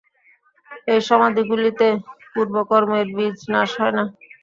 এই সমাধিগুলিতে পূর্বকর্মের বীজ নাশ হয় না।